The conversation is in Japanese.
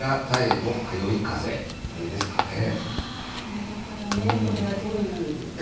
あなるほどね。これはどういう理由で？